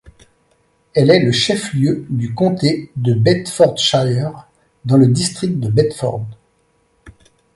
Elle est le chef-lieu du comté de Bedfordshire, dans le district de Bedford.